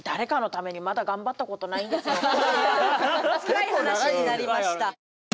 つらい話になりました。